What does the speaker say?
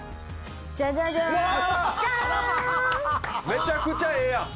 めちゃくちゃええやん！